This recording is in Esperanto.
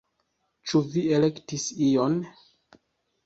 Ĉu vi elektis ion?